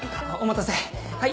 はい！